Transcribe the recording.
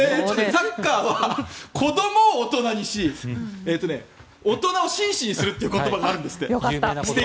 サッカーは子どもを大人にし大人を紳士にするという言葉があるんですって。